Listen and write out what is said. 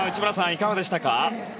いかがでしたか。